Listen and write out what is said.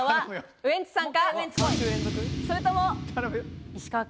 ウエンツさん。